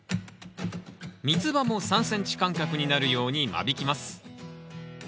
ミツバも３ｃｍ間隔になるように間引きます。